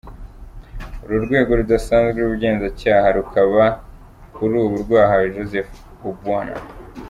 Uru rwego rudasanzwe rw’ubugenzacyaha rukaba kuri ubu rwahawe Joseph Obwona.